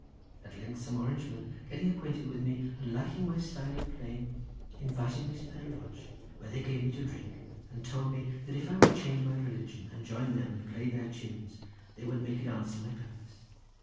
At length some Orange men getting acquainted with me, and liking my style of playing, invited me to their lodge, where they gave me to drink, and tould me that if I would change my religion and join them, and play their tunes, they would make it answer my purpose.